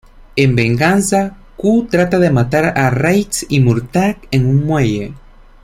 En venganza, Ku trata de matar a Riggs y Murtaugh en un muelle.